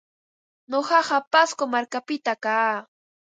Nuqaqa Pasco markapita kaa.